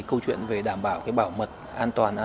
cái thứ hai là hệ thống hóa